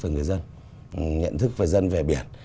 về người dân nhận thức về dân về biển